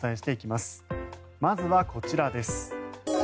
まずはこちらです。